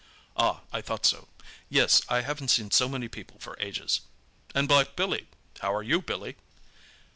Ah, I thought so. Yes, I haven't seen so many people for ages. And black Billy! How are you Billy?"